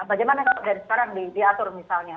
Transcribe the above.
bagaimana kalau dari sekarang diatur misalnya